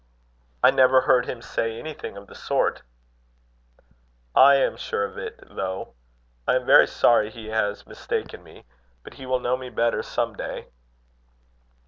"I never heard him say anything of the sort." "I am sure of it, though. I am very sorry he has mistaken me; but he will know me better some day."